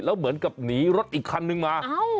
แล้วเหมือนกับหนีรถอีกคันนึงมา